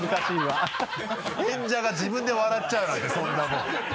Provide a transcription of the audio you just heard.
演者が自分で笑っちゃうなんてそんなもん。